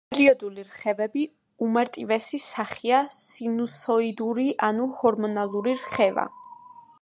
პერიოდული რხევების უმარტივესი სახეა სინუსოიდური, ანუ ჰარმონიული რხევა.